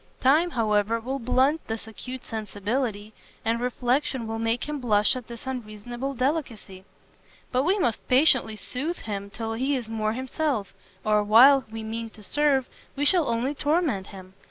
Time, however, will blunt this acute sensibility, and reflection will make him blush at this unreasonable delicacy. But we must patiently soothe him till he is more himself, or while we mean to serve, we shall only torment him.